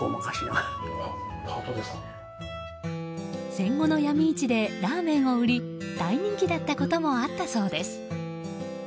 戦後の闇市でラーメンを売り大人気だったこともあったそうです。